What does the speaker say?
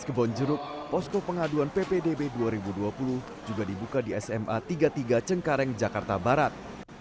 kebonjeruk posko pengaduan ppdb dua ribu dua puluh juga dibuka di sma tiga puluh tiga cengkareng jakarta barat